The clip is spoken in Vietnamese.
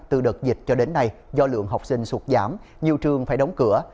từ đợt dịch cho đến nay do lượng học sinh sụt giảm nhiều trường phải đóng cửa